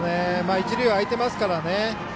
一塁は空いてますから。